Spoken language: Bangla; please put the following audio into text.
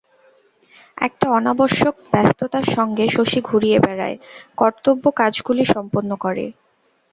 একটা অনাবশ্যক ব্যস্ততার সঙ্গে শশী ঘুরিয়া বেড়ায়, কর্তব্য কাজগুলি সম্পন্ন করে।